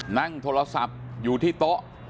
นั่งโทรศัพท์อยู่ที่โต๊ะ